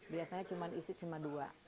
biasanya isi cuma dua